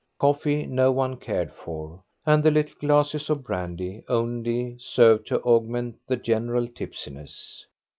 Coffee no one cared for, and the little glasses of brandy only served to augment the general tipsiness.